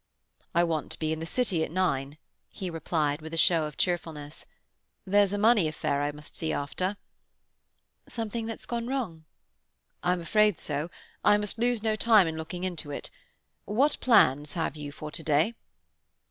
"I want to be in the City at nine," he replied, with a show of cheerfulness. "There's a money affair I must see after." "Something that's going wrong?" "I'm afraid so. I must lose no time in looking to it. What plans have you for to day?"